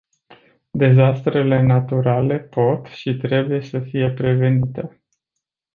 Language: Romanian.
Dezastrele naturale pot și trebuie să fie prevenite.